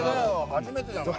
初めてじゃない？